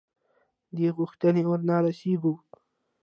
دې غوښتنې ورنه رسېږو.